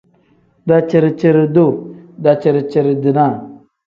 Daciri-ciri-duu pl: daciri-ciri-dinaa n.